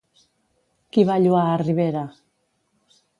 Qui va lloar a Ribera?